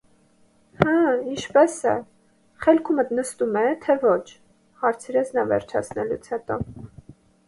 - Հը՛, ինչպե՞ս է, խելքումդ նստո՞ւմ է, թե ոչ,- հարցրեց նա վերջացնելուց հետո: